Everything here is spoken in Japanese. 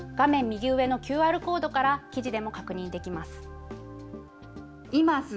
右上のＱＲコードから記事でも確認できます。